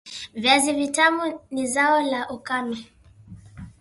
viazi vitamu ni zao la ukame